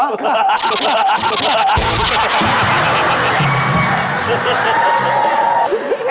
ค่ะ